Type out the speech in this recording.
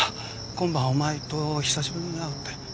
今晩お前と久しぶりに会うって。